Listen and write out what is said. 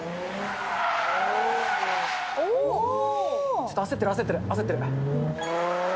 ちょっと焦ってる、焦ってる。